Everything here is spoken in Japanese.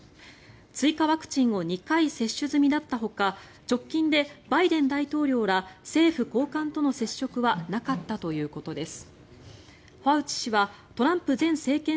追加ワクチンを２回接種済みだったほか直近でバイデン大統領ら政府高官との接触はなかったということです。